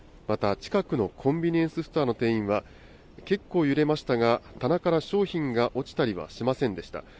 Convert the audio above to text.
また、近くのコンビニエンスストアの店員は、結構揺れましたが、棚から商品が落ちたりはしませんでした。